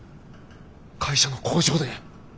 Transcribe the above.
会社の工場で。